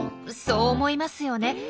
そう思いますよね。